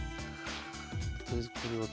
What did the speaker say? とりあえずこれは。